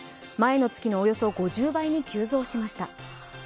前の月のおよそ５０倍に急増しました。